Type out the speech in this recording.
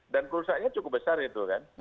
dan perusahaannya cukup besar itu kan